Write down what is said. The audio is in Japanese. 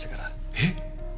えっ？